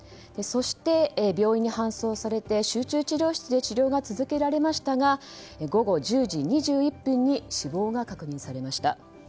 そして病院に搬送されて集中治療室で治療が続けられましたが午後１０時２１分に死亡が確認されました。